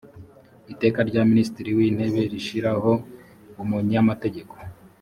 iteka rya minisitiri w intebe rishyirahoumunyamategeko